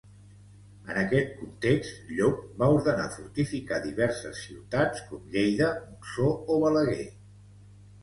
En aquest context Llop va ordenar fortificar diverses ciutats, com Lleida, Montsó o Balaguer.